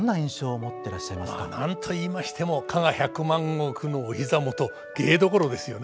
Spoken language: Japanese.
なんと言いましても加賀百万石のお膝元芸どころですよね。